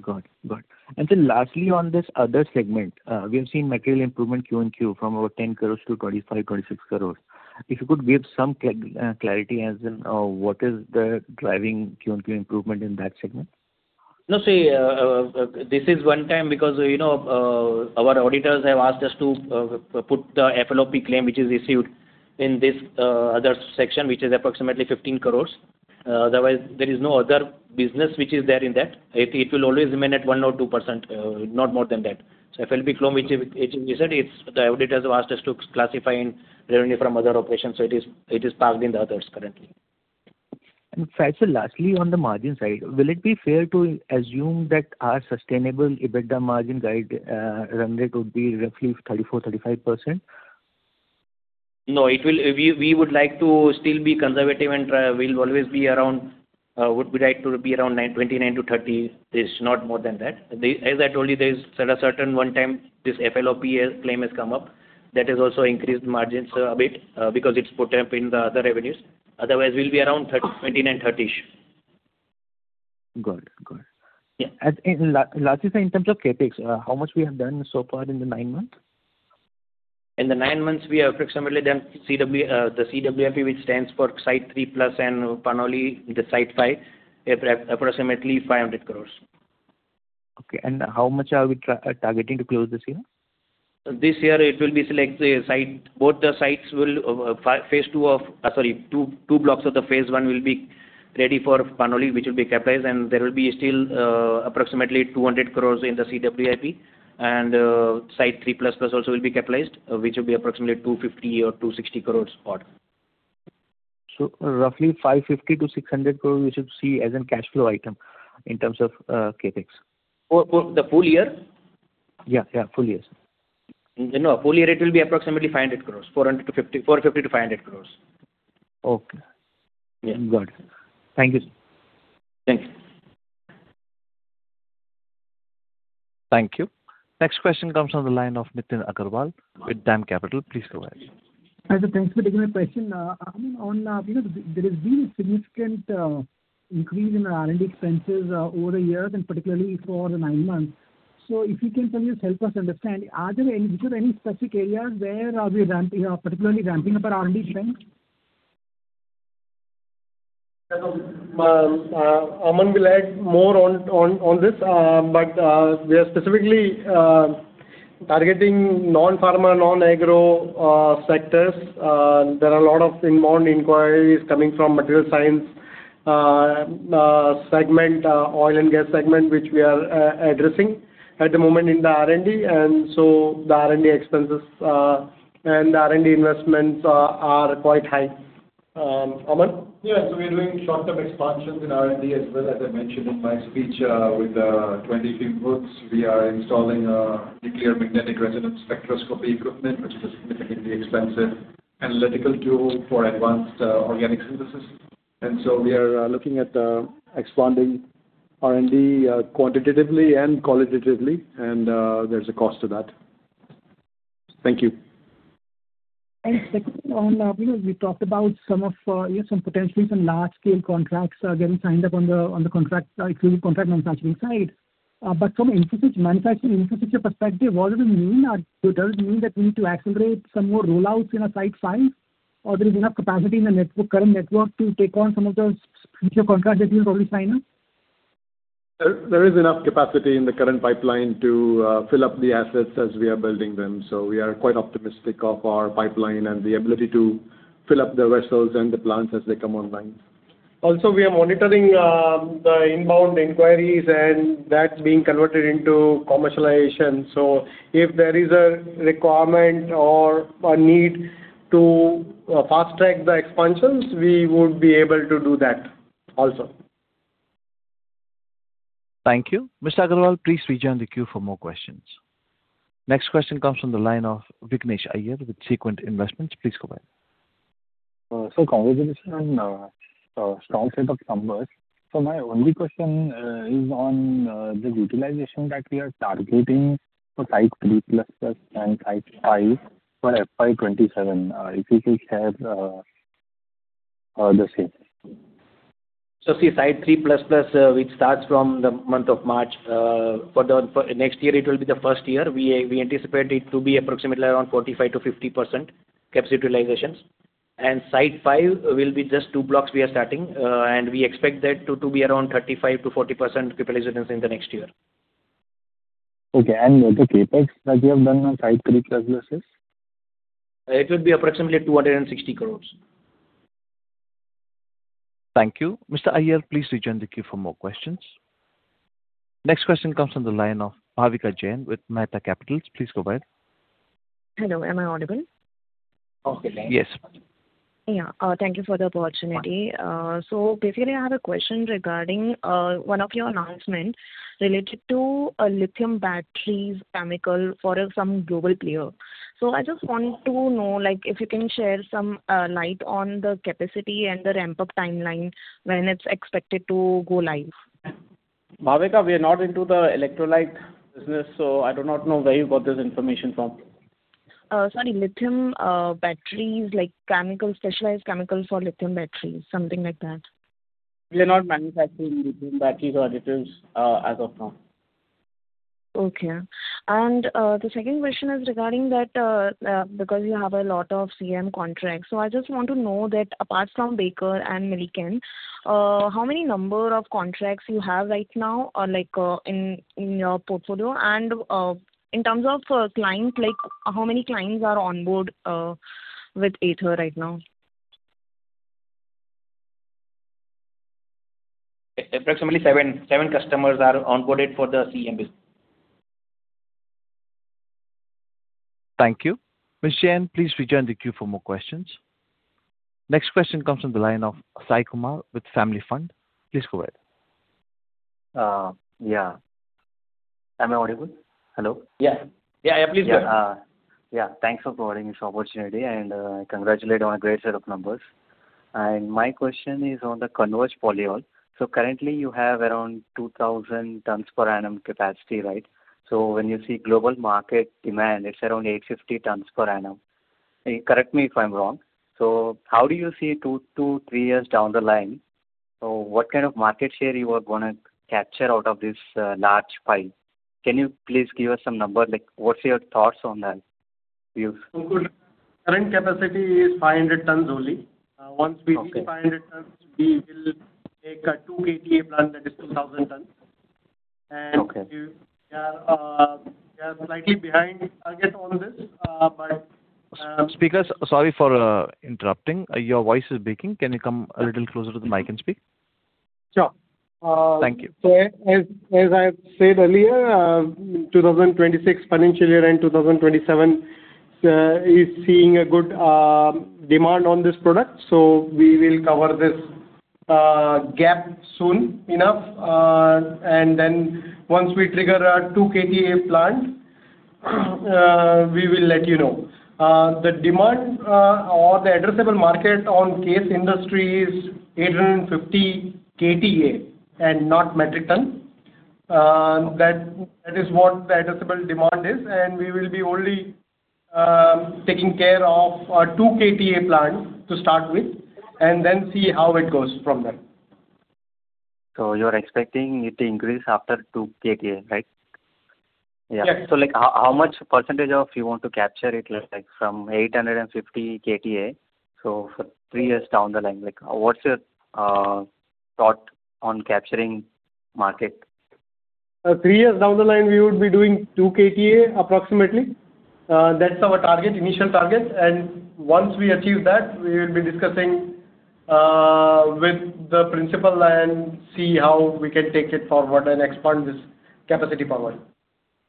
Got it. Got it. And then lastly, on this other segment, we have seen material improvement Q1Q from about 10 crore to 25-26 crores. If you could give some clarity as in, what is the driving Q1Q improvement in that segment? No, see, this is one time because, you know, our auditors have asked us to put the FLOP claim, which is received in this other section, which is approximately 15 crore. Otherwise, there is no other business which is there in that. It, it will always remain at 1% or 2%, not more than that. So FLOP claim, which is, it, we said, it's the auditors have asked us to classify in revenue from other operations, so it is, it is parked in the others currently. Faiz, lastly, on the margin side, will it be fair to assume that our sustainable EBITDA margin guide run rate would be roughly 34%-35%? No, it will... We, we would like to still be conservative and, we'll always be around, would be like to be around 29-30, it's not more than that. The, as I told you, there's a certain one time this FLOP claim has come up. That has also increased margins a bit, because it's put up in the other revenues. Otherwise, we'll be around 30, 29, 30-ish. Got it. Got it. Yeah. Lastly, in terms of CapEx, how much we have done so far in the nine months? In the nine months, we have approximately done the CWIP, which stands for Site 3++ and Panoli, the Site 5, approximately 500 crore. Okay, and how much are we targeting to close this year? This year, it will be Site 5, both the sites will, phase two of, sorry, 22 blocks of the phase one will be ready for Panoli, which will be capitalized, and there will still be approximately 200 crore in the CWIP. Site 3++ also will be capitalized, which will be approximately 250-260 crore spot. So roughly 550 crore-600 crore, we should see as in cash flow item in terms of CapEx. For the full year? Yeah, yeah, full year. No, full year it will be approximately 500 crores, 450-500 crores. Okay. Yeah. Got it. Thank you. Thanks. Thank you. Next question comes from the line of Nitin Agarwal with DAM Capital. Please go ahead. Hi, sir, thanks for taking my question. I mean, on, you know, there has been a significant increase in R&D expenses over the years and particularly for the nine months. So if you can kind of help us understand, are there any specific areas where we are ramping up, particularly ramping up our R&D spend? Aman will add more on this, but we are specifically targeting non-pharma, non-agro sectors. There are a lot of inbound inquiries coming from material science segment, oil and gas segment, which we are addressing at the moment in the R&D. And so the R&D expenses and the R&D investments are quite high. Aman? Yeah, so we are doing short-term expansions in R&D as well. As I mentioned in my speech, with 22 booths, we are installing nuclear magnetic resonance spectroscopy equipment, which is significantly expensive analytical tool for advanced organic synthesis. And so we are looking at expanding R&D quantitatively and qualitatively, and there's a cost to that. Thank you. And second, on, you know, we talked about some of some potentially large-scale contracts are getting signed up on the contract manufacturing side. But from infrastructure, manufacturing infrastructure perspective, what does it mean? Does it mean that we need to accelerate some more rollouts in our Site 5, or there is enough capacity in the network, current network to take on some of the future contracts that you will probably sign up? There, there is enough capacity in the current pipeline to fill up the assets as we are building them. So we are quite optimistic of our pipeline and the ability to fill up the vessels and the plants as they come online. Also, we are monitoring the inbound inquiries and that's being converted into commercialization. So if there is a requirement or a need to fast-track the expansions, we would be able to do that also. Thank you. Mr. Agarwal, please rejoin the queue for more questions. Next question comes from the line of Vignesh Iyer with Sequent Investments. Please go ahead. Congratulations on a strong set of numbers. My only question is on the utilization that we are targeting for Site 3++ and Site 5 for FY 2027. If you could share the same. So see, Site 3++, which starts from the month of March, for the, for next year, it will be the first year. We, we anticipate it to be approximately around 45%-50% capacity utilizations. And Site 5 will be just two blocks we are starting, and we expect that to, to be around 35%-40% utilizations in the next year. Okay, and the CapEx that you have done on Site 3++? It will be approximately 260 crore. Thank you. Mr. Iyer, please rejoin the queue for more questions. Next question comes from the line of Bhavika Jain with Mehta Equities. Please go ahead. Hello, am I audible? Okay. Yes. Yeah, thank you for the opportunity. So basically, I have a question regarding one of your announcements related to a lithium batteries chemical for some global player. So I just want to know, like, if you can share some light on the capacity and the ramp-up timeline when it's expected to go live. Bhavika, we are not into the electrolyte business, so I do not know where you got this information from. Sorry, lithium batteries, like, chemicals, specialized chemicals for lithium batteries, something like that. We are not manufacturing lithium batteries or additives, as of now. Okay. And, the second question is regarding that, because you have a lot of CM contracts. So I just want to know that apart from Baker and Milliken, how many number of contracts you have right now or like, in, in your portfolio? And, in terms of, clients, like, how many clients are on board, with Aether right now? Approximately 7, 7 customers are onboarded for the CM business. Thank you. Ms. Jain, please rejoin the queue for more questions. Next question comes from the line of Sai Kumar with Family Fund. Please go ahead. Yeah. Am I audible? Hello? Yeah. Yeah, yeah, please go. Yeah, yeah, thanks for providing this opportunity, and, congratulate on a great set of numbers. And my question is on the Converge polyol. So currently, you have around 2,000 tons per annum capacity, right? So when you see global market demand, it's around 850 tons per annum. Correct me if I'm wrong. So how do you see 2-3 years down the line? So what kind of market share you are gonna capture out of this, large pie? Can you please give us some number, like, what's your thoughts on that view? Current capacity is 500 tons only. Okay. Once we reach 500 tons, we will take a 2 KTA plan, that is 2,000 tons. Okay. We are slightly behind target on this, but... Speakers, sorry for interrupting. Your voice is breaking. Can you come a little closer to the mic and speak? Sure. Thank you. So, as I've said earlier, 2026 financial year and 2027 is seeing a good demand on this product, so we will cover this gap soon enough. And then once we trigger our 2 KTA plant, we will let you know. The demand, or the addressable market on CASE industry is 850 KTA, and not metric ton. That, that is what the addressable demand is, and we will be only taking care of our 2 KTA plant to start with, and then see how it goes from there. So you're expecting it to increase after 2 KTA, right? Yeah. Yes. So, like, how, how much % of you want to capture it, like, from 850 KTA? So for three years down the line, like, what's your thought on capturing market? Three years down the line, we would be doing two KTA, approximately. That's our target, initial target, and once we achieve that, we will be discussing, with the principal and see how we can take it forward and expand this capacity forward.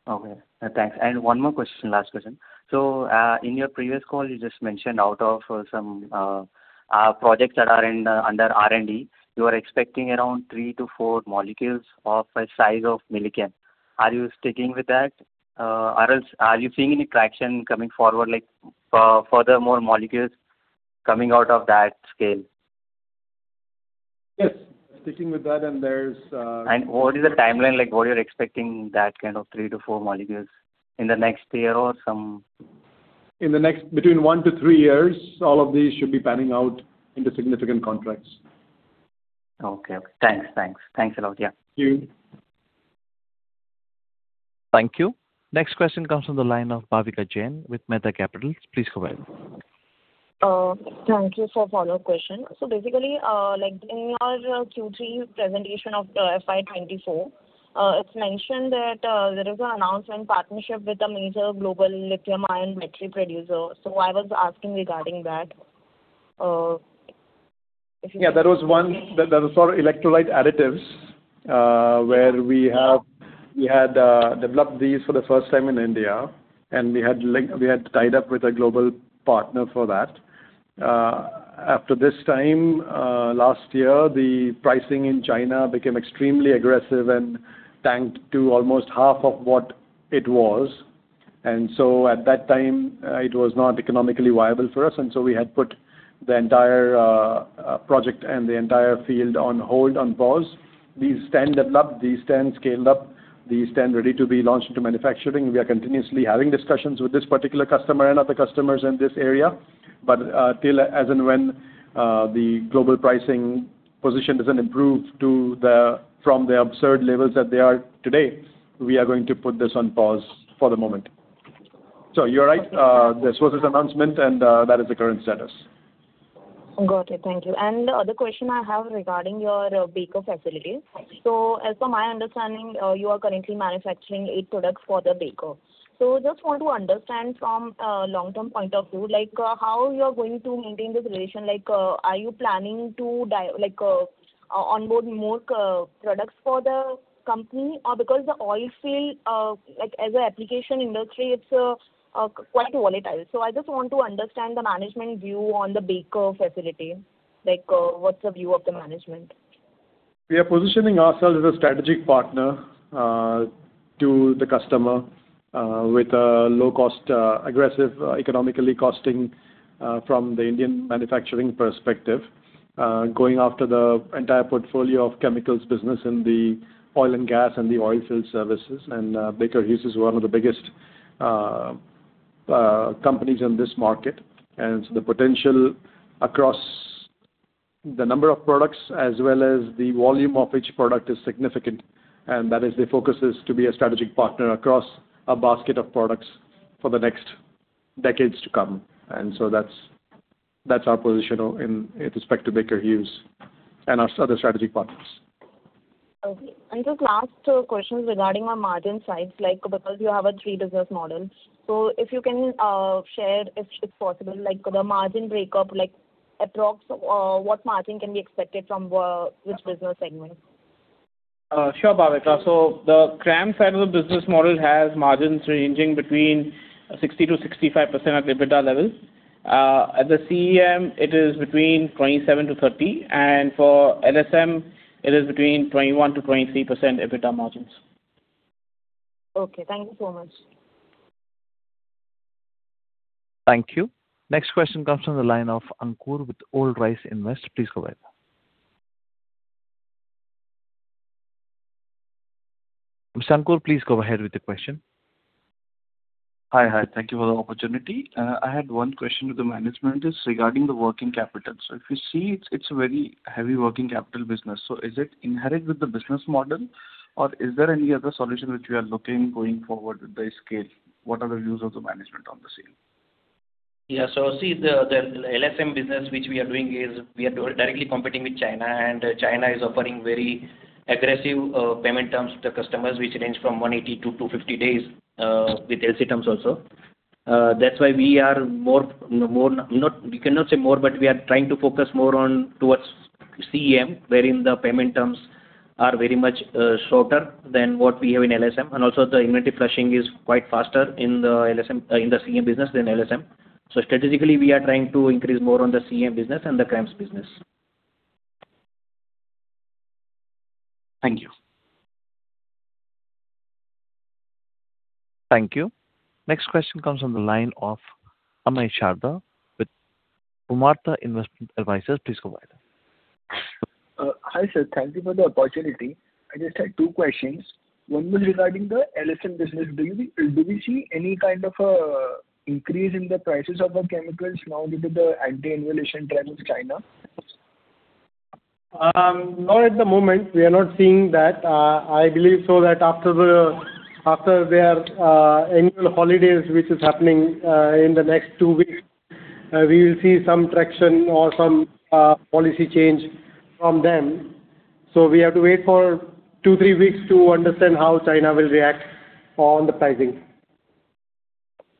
Okay, thanks. And one more question, last question. So, in your previous call, you just mentioned out of some projects that are in, under R&D, you are expecting around 3-4 molecules of a size of million. Are you sticking with that, or else, are you seeing any traction coming forward, like, further more molecules coming out of that scale? Yes, sticking with that, and there's- What is the timeline like? What you're expecting that kind of 3-4 molecules in the next year or some? In the next between 1-3 years, all of these should be panning out into significant contracts. Okay. Okay. Thanks. Thanks. Thanks a lot. Yeah. Thank you. Thank you. Next question comes from the line of Bhavika Jain with Mehta Equities. Please go ahead. Thank you for follow-up question. So basically, like, in your Q3 presentation of the FY 2024, it's mentioned that there is an announcement partnership with a major global Lithium-ion battery producer. So I was asking regarding that, if you- Yeah, that was one, that was for electrolyte additives, where we had developed these for the first time in India, and we had tied up with a global partner for that. After this time, last year, the pricing in China became extremely aggressive and tanked to almost half of what it was. And so at that time, it was not economically viable for us, and so we had put the entire project and the entire field on hold, on pause. These stand developed, these stand scaled up, these stand ready to be launched into manufacturing. We are continuously having discussions with this particular customer and other customers in this area, but till as and when the global pricing position doesn't improve from the absurd levels that they are today, we are going to put this on pause for the moment. So you're right, there was this announcement, and that is the current status. Got it. Thank you. And the other question I have regarding your Baker facility. So as per my understanding, you are currently manufacturing eight products for the Baker. So just want to understand from a long-term point of view, like, how you are going to maintain this relation? Like, are you planning to like, onboard more, products for the company? Because the oil field, like, as an application industry, it's, quite volatile. So I just want to understand the management view on the Baker facility. Like, what's the view of the management? We are positioning ourselves as a strategic partner, to the customer, with a low cost, aggressive, economically costing, from the Indian manufacturing perspective, going after the entire portfolio of chemicals business in the oil and gas and the oil field services. And, Baker Hughes is one of the biggest, companies in this market. And so the potential across the number of products as well as the volume of each product is significant, and that is the focus is to be a strategic partner across a basket of products for the next decades to come. And so that's, that's our position in, in respect to Baker Hughes and our other strategic partners. Okay. Just last two questions regarding our margin sides, like, because you have a three business model. So if you can share, if it's possible, like, the margin breakup, like, approx what margin can be expected from which business segment? Sure, Bhavika. So the CRAMS side of the business model has margins ranging between 60%-65% at the EBITDA level. At the CEM, it is between 27%-30%, and for LSM, it is between 21%-23% EBITDA margins. Okay, thank you so much. Thank you. Next question comes from the line of Ankur with Old Bridge Capital Management. Please go ahead. So, Ankur, please go ahead with the question. Hi. Hi. Thank you for the opportunity. I had one question to the management is regarding the working capital. So if you see, it's a very heavy working capital business. So is it inherent with the business model, or is there any other solution which we are looking going forward with the scale? What are the views of the management on the same? Yeah, so see, the LSM business, which we are doing, is we are directly competing with China, and China is offering very aggressive payment terms to the customers, which range from 180-250 days, with LC terms also. That's why we cannot say more, but we are trying to focus more on towards CEM, wherein the payment terms are very much shorter than what we have in LSM. And also, the inventory flushing is quite faster in the CEM business than LSM. So strategically, we are trying to increase more on the CEM business and the CRAMS business. Thank you. Thank you. Next question comes from the line of Amey Sharda with Karma Capital. Please go ahead. Hi, sir. Thank you for the opportunity. I just had two questions. One was regarding the LSM business. Do we see any kind of increase in the prices of the chemicals now due to the anti-inflation trend with China? Not at the moment, we are not seeing that. I believe so that after their annual holidays, which is happening in the next 2 weeks, we will see some traction or some policy change from them. So we have to wait for 2-3 weeks to understand how China will react on the pricing.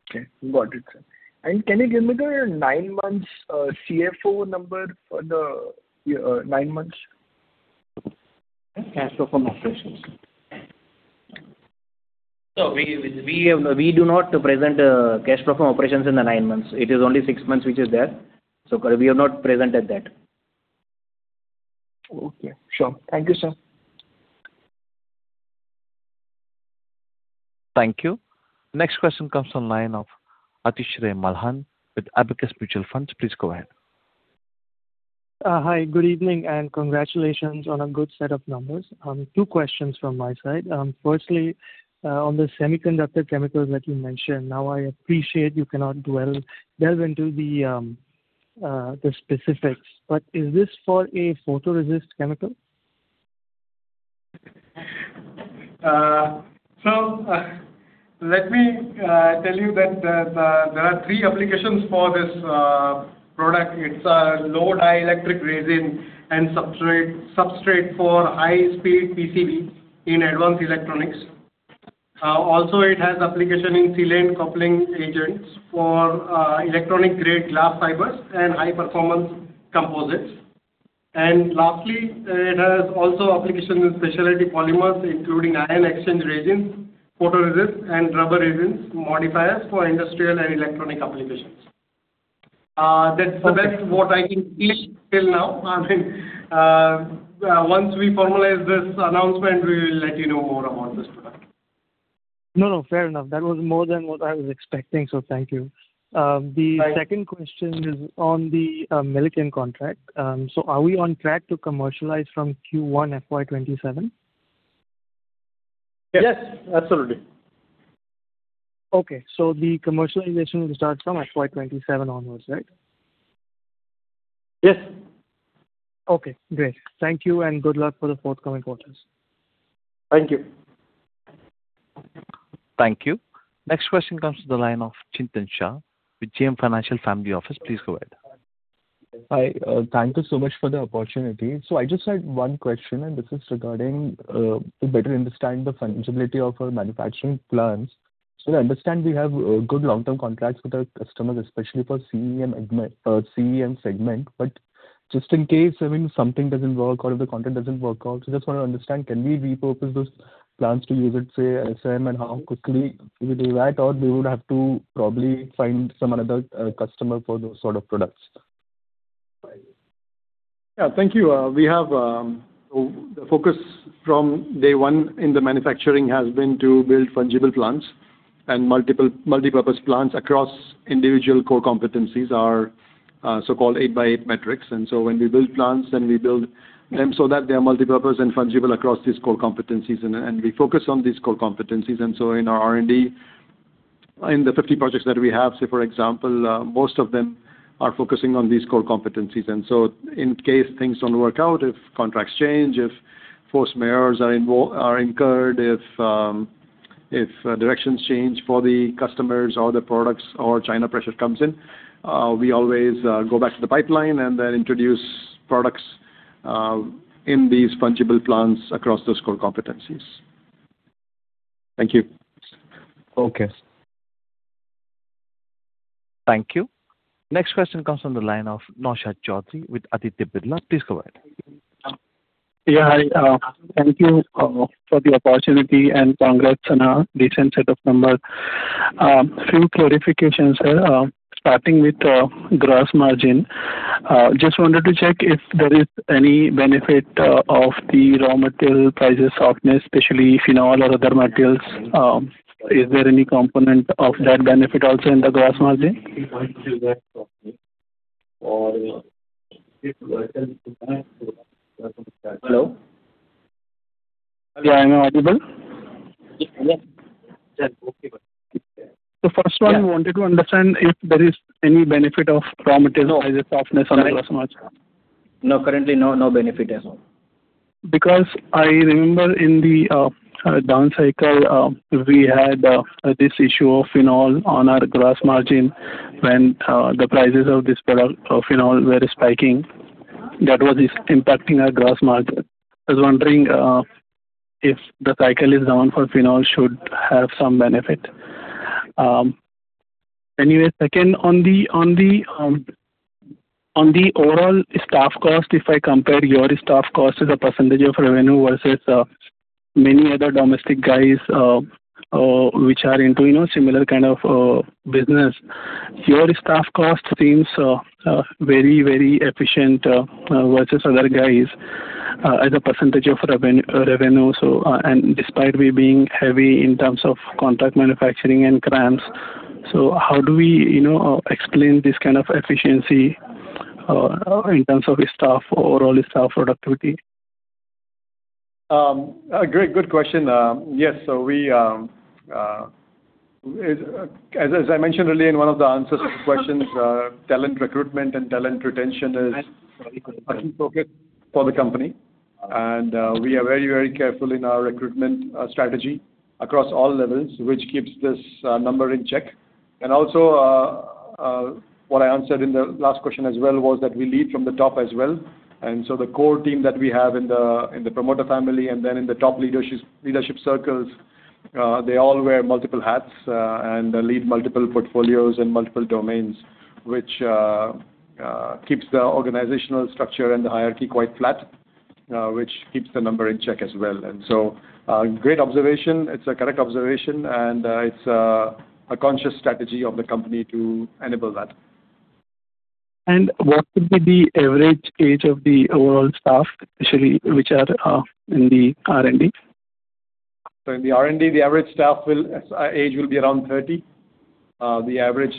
Okay, got it, sir. And can you give me the nine months CFO number for the year nine months? Cash flow from operations. We do not present cash flow from operations in the nine months. It is only six months, which is there, so we have not presented that. Okay, sure. Thank you, sir. Thank you. Next question comes from line of Aatish Matani with Abakkus Asset Manager. Please go ahead. Hi, good evening, and congratulations on a good set of numbers. Two questions from my side. Firstly, on the semiconductor chemicals that you mentioned, now I appreciate you cannot dwell, delve into the specifics, but is this for a photoresist chemical? So, let me tell you that there are three applications for this product. It's a low dielectric resin and substrate for high speed PCB in advanced electronics. Also it has application in silane coupling agents for electronic grade glass fibers and high performance composites. And lastly, it has also application in specialty polymers, including ion exchange resins, photoresist and rubber resins, modifiers for industrial and electronic applications. That's what I can give till now. I mean, once we formalize this announcement, we will let you know more about this product. No, no, fair enough. That was more than what I was expecting, so thank you. Right. The second question is on the Milliken contract. So are we on track to commercialize from Q1 FY 2027? Yes, absolutely. Okay, so the commercialization will start from FY 2027 onwards, right? Yes. Okay, great. Thank you, and good luck for the forthcoming quarters. Thank you. Thank you. Next question comes to the line of Chintan Shah with JM Financial Family Office. Please go ahead. Hi, thank you so much for the opportunity. So I just had one question, and this is regarding to better understand the fungibility of our manufacturing plans. So I understand we have good long-term contracts with our customers, especially for CEM, I mean, CEM segment. But just in case, I mean, something doesn't work or if the content doesn't work out, so just want to understand, can we repurpose those plans to use it, say, SM, and how quickly we do that? Or we would have to probably find some another customer for those sort of products. Yeah, thank you. We have the focus from day one in the manufacturing has been to build fungible plants and multiple, multipurpose plants across individual core competencies, our so-called 8x8 matrix. And so when we build plants, then we build them so that they are multipurpose and fungible across these core competencies, and we focus on these core competencies. And so in our R&D, in the 50 projects that we have, say, for example, most of them are focusing on these core competencies. And so in case things don't work out, if contracts change, if force majeure are incurred, if directions change for the customers or the products or China pressure comes in, we always go back to the pipeline and then introduce products in these fungible plants across those core competencies. Thank you. Okay. Thank you. Next question comes from the line of Naushad Chaudhary with Aditya Birla. Please go ahead. Yeah, hi, thank you for the opportunity and congrats on a decent set of numbers. Few clarifications, sir. Starting with gross margin, just wanted to check if there is any benefit of the raw material prices softness, especially phenol or other materials. Is there any component of that benefit also in the gross margin? Hello? Yeah, I am audible. Yeah. First one, wanted to understand if there is any benefit of raw material prices softness on the gross margin? No, currently, no, no benefit at all. Because I remember in the down cycle, we had this issue of phenol on our gross margin when the prices of this product, of phenol were spiking. That was impacting our gross margin. I was wondering if the cycle is down for phenol should have some benefit. Anyway, second, on the overall staff cost, if I compare your staff cost as a percentage of revenue versus many other domestic guys, which are into, you know, similar kind of business, your staff cost seems very, very efficient versus other guys as a percentage of revenue. So, and despite we being heavy in terms of contract manufacturing and CRAMS, so how do we, you know, explain this kind of efficiency, in terms of the staff or overall staff productivity? A great, good question. Yes, so we, as I mentioned earlier in one of the answers to the questions, talent recruitment and talent retention is a key focus for the company. And, we are very, very careful in our recruitment, strategy across all levels, which keeps this number in check. And also, what I answered in the last question as well, was that we lead from the top as well. And so the core team that we have in the promoter family, and then in the top leadership circles, they all wear multiple hats, and lead multiple portfolios and multiple domains, which keeps the organizational structure and the hierarchy quite flat, which keeps the number in check as well. And so, great observation. It's a correct observation, and it's a conscious strategy of the company to enable that. What would be the average age of the overall staff, especially which are in the R&D? So in the R&D, the average staff age will be around 30. The average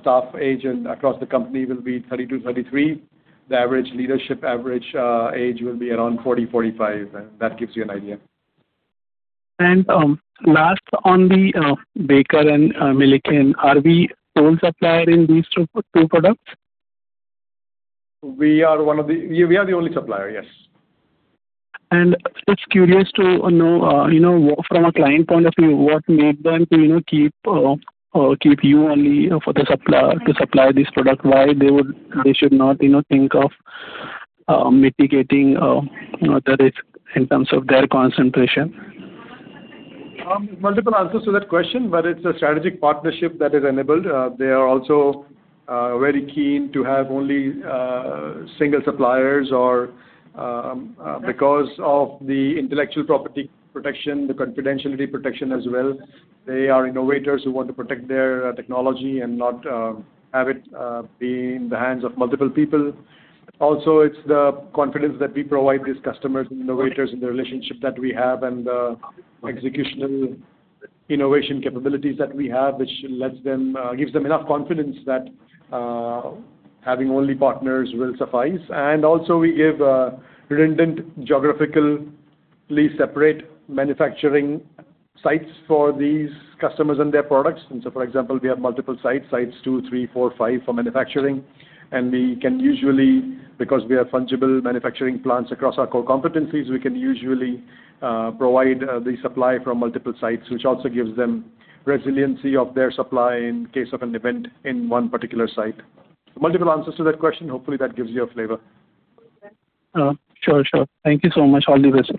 staff age across the company will be 30-33. The average leadership average age will be around 40-45. That gives you an idea. Last on the Baker and Milliken, are we sole supplier in these two, two products? We are one of the... We are the only supplier, yes. Just curious to know, you know, from a client point of view, what made them to, you know, keep you only for the supplier, to supply this product? Why they would, they should not, you know, think of mitigating, you know, the risk in terms of their concentration? Multiple answers to that question, but it's a strategic partnership that is enabled. They are also very keen to have only single suppliers or because of the intellectual property protection, the confidentiality protection as well. They are innovators who want to protect their technology and not have it be in the hands of multiple people. Also, it's the confidence that we provide these customers and innovators and the relationship that we have and executional innovation capabilities that we have, which lets them gives them enough confidence that having only partners will suffice. Also we give redundant geographically separate manufacturing sites for these customers and their products. So, for example, we have multiple sites, Site 2, Site 3, Site 4, Site 5 for manufacturing. We can usually, because we are fungible manufacturing plants across our core competencies, we can usually, provide, the supply from multiple sites, which also gives them resiliency of their supply in case of an event in one particular site. Multiple answers to that question. Hopefully, that gives you a flavor. Sure, sure. Thank you so much. All the best.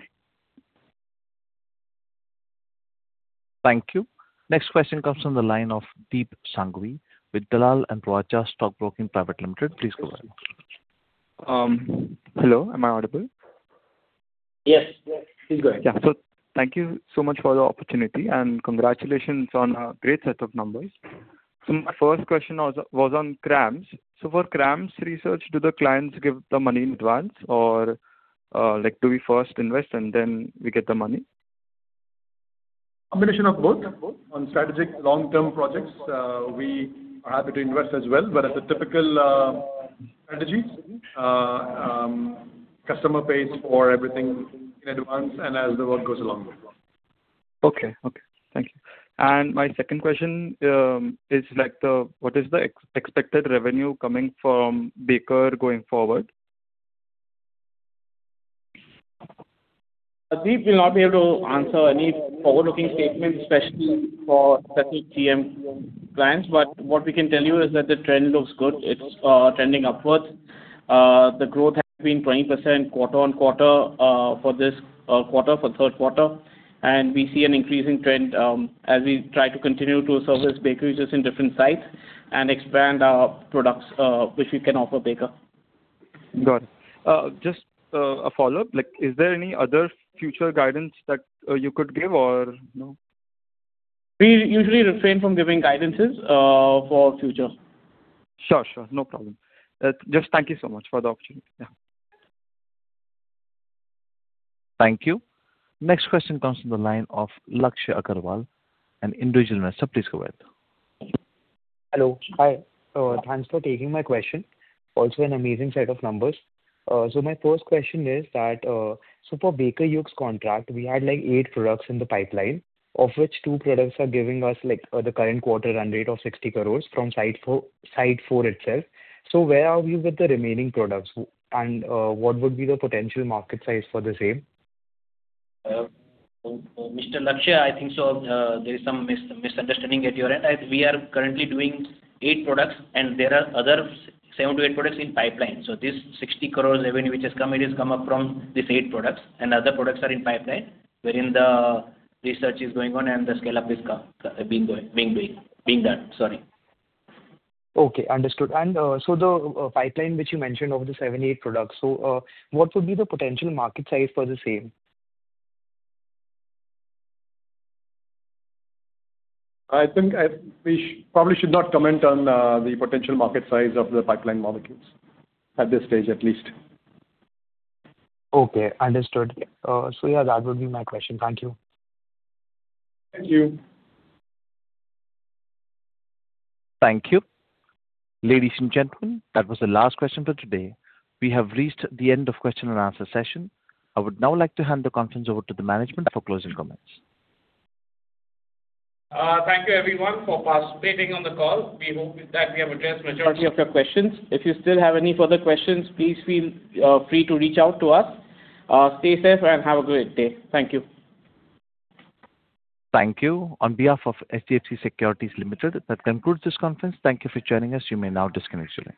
Thank you. Next question comes from the line of Deep Sanghvi with Dalal & Broacha Stock Broking Pvt. Ltd. Please go ahead. Hello, am I audible? Yes. Yes, please go ahead. Yeah. So thank you so much for the opportunity, and congratulations on a great set of numbers. So my first question was on CRAMS. So for CRAMS research, do the clients give the money in advance or, like, do we first invest and then we get the money? Combination of both. On strategic long-term projects, we are happy to invest as well, but as a typical strategy, customer pays for everything in advance and as the work goes along. Okay. Okay, thank you. My second question is like, what is the expected revenue coming from Baker going forward? Deep, we'll not be able to answer any forward-looking statements, especially for specific CEM clients. But what we can tell you is that the trend looks good. It's trending upwards. The growth has been 20% quarter-over-quarter for this quarter, for third quarter. And we see an increasing trend as we try to continue to service Baker Hughes in different sites and expand our products, which we can offer Baker Hughes. Got it. Just, a follow-up. Like, is there any other future guidance that, you could give or no? We usually refrain from giving guidances for future. Sure, sure. No problem. Just thank you so much for the opportunity. Yeah. Thank you. Next question comes from the line of Lakshya Agarwal, an individual investor. Please go ahead. Hello. Hi. Thanks for taking my question. Also, an amazing set of numbers. So my first question is that, so for Baker Hughes contract, we had, like, 8 products in the pipeline, of which 2 products are giving us, like, the current quarter run rate of 60 crore from Site 4, Site 4 itself. So where are we with the remaining products, and, what would be the potential market size for the same? Mr. Lakshya, I think so, there is some misunderstanding at your end. We are currently doing eight products, and there are other seven to eight products in pipeline. So this 60 crore revenue which has come, it has come up from these eight products, and other products are in pipeline, wherein the research is going on and the scale-up is come, being going, being doing, being done. Sorry. Okay, understood. And, so the pipeline, which you mentioned over the 7, 8 products, so, what would be the potential market size for the same? I think we probably should not comment on the potential market size of the pipeline molecules, at this stage at least. Okay, understood. So yeah, that would be my question. Thank you. Thank you. Thank you. Ladies and gentlemen, that was the last question for today. We have reached the end of question and answer session. I would now like to hand the conference over to the management for closing comments. Thank you everyone for participating on the call. We hope that we have addressed majority of your questions. If you still have any further questions, please feel free to reach out to us. Stay safe and have a great day. Thank you. Thank you. On behalf of HDFC Securities Limited, that concludes this conference. Thank you for joining us. You may now disconnect your lines.